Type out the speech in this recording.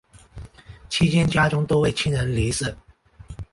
期间家中多位亲人离世。